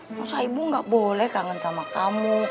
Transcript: nggak usah ibu gak boleh kangen sama kamu